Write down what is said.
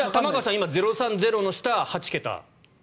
今、０３０の下、８桁？